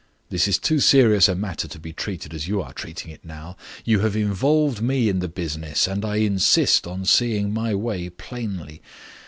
This is too serious a matter to be treated as you are treating it now. You have involved me in the business, and I insist on seeing my way plainly.